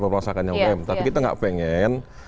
mempermasakan ukm tapi kita gak pengen